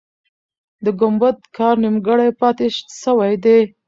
د ګمبد کار نیمګړی پاتې سوی دی.